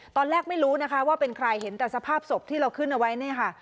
ตอนแรกไม่รู้นะคะว่าเป็นใครเห็นแต่สภาพศพที่เราขึ้นเอาไว้เนี่ยค่ะ